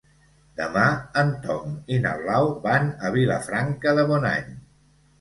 Demà en Tom i na Blau van a Vilafranca de Bonany.